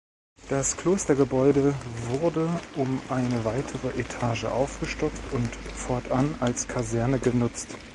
Das Klostergebäude wurde um eine weitere Etage aufgestockt und fortan als Kaserne genutzt.